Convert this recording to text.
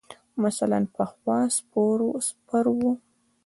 مثلاً پخوا سپر ؤ.